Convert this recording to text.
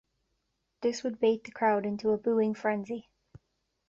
This would bait the crowd into a booing frenzy.